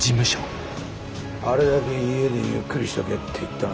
あれだけ家でゆっくりしとけって言ったはずだが。